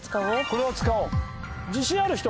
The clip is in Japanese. これは使おう！